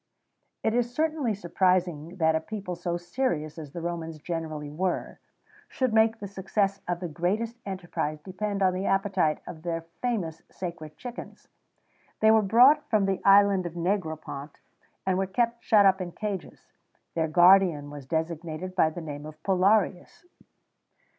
It is certainly surprising that a people so serious as the Romans generally were, should make the success of the greatest enterprise depend on the appetite of their famous sacred chickens. They were brought from the Island of Negropont, and were kept shut up in cages; their guardian was designated by the name of Pullarius.